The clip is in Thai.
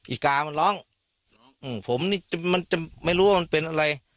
อีกามันร้องผมนี่มันจะไม่รู้ว่ามันเป็นอะไร